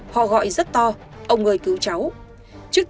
họ gọi rất to ông người cứu cháu